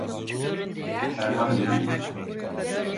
Herhangi birini.